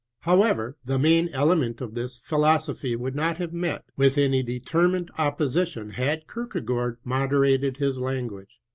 However, the main element of this philosophy would not have met with any de termined opposition had Kierkegaard moder ated his language.